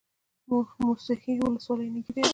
موسهي ولسوالۍ نږدې ده؟